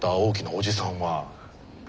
おじさん。